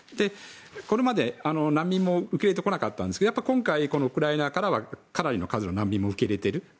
これまで難民も受け入れてこなかったんですけど今回、ウクライナからはかなりの数の難民を受け入れている。